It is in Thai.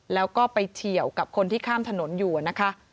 แล้วก็ไปเฉียวกับคนที่ข้ามถนนอยู่นะคะ